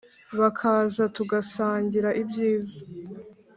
bakaza tugasangira ibyiza